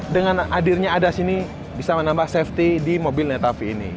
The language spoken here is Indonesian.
dengan adirnya ada disini bisa menambah safety di mobil leta v dua ini